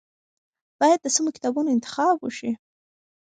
باید د سمو کتابونو انتخاب وشي.